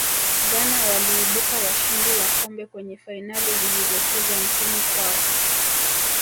ghana waliibuka washindi wa kombe kwenye fainali zilizochezwa nchini kwao